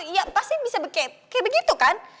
iya pasti bisa kayak begitu kan